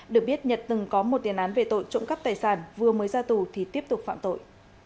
được biết nhật từng có một tiền án về tội trộm cắp tài sản vừa mới ra tù thì tiếp tục phạm tội